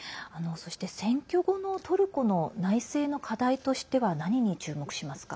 選挙後のトルコの内政の課題としては何に注目しますか？